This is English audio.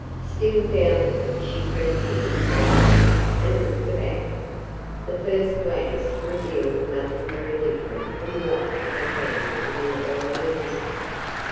Still doubting, she crept in after him and looked about. The first glance revealed nothing very different from what it had been in their earlier visit.